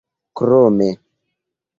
krome